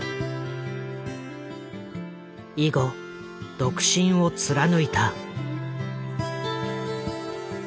以後独身を貫いた。